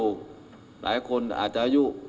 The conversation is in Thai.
นายยกรัฐมนตรีพบกับทัพนักกีฬาที่กลับมาจากโอลิมปิก๒๐๑๖